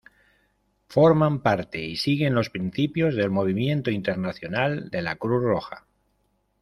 Forman parte y siguen los principios del movimiento internacional de la Cruz Roja.